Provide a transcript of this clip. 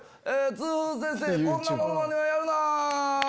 「痛風先生こんなモノマネはやるな」！